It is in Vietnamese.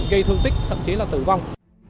gây thương tích thậm chí là tử vong